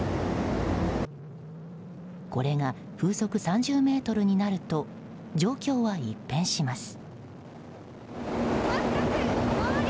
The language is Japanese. これが風速３０メートルになると状況は一変します。